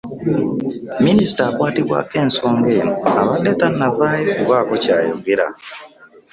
Minisita akwatibwako ensonga eno abadde tannavaayo kubaako ky'ayogera.